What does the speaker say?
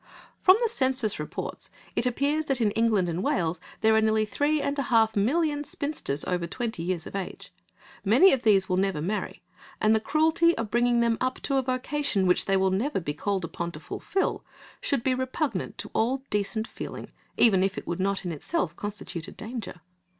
From the Census reports it appears that in England and Wales there are nearly three and a half million spinsters over twenty years of age; many of these will never marry, and the cruelty of bringing them up to a vocation, which they will never be called upon to fulfil, should be repugnant to all decent feeling, even if it would not in itself constitute a danger.